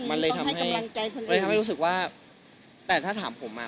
มันเลยทำให้รู้สึกว่าแต่ถ้าถามผมมา